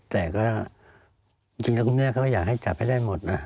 แต่ก็จริงแล้วคุณแม่เขาก็อยากให้จับให้ได้หมดนะ